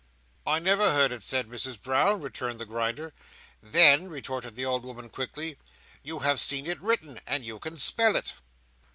"I never heard it said, Misses Brown," returned the Grinder. "Then," retorted the old woman quickly, "you have seen it written, and you can spell it."